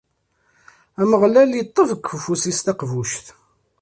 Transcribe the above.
Ameɣlal iṭṭef deg ufus-is taqbuct.